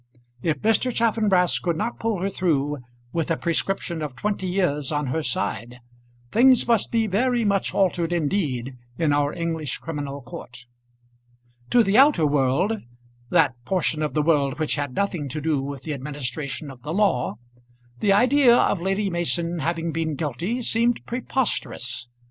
If Mr. Chaffanbrass could not pull her through, with a prescription of twenty years on her side, things must be very much altered indeed in our English criminal court. To the outer world, that portion of the world which had nothing to do with the administration of the law, the idea of Lady Mason having been guilty seemed preposterous.